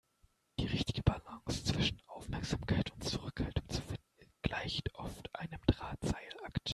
Die richtige Balance zwischen Aufmerksamkeit und Zurückhaltung zu finden, gleicht oft einem Drahtseilakt.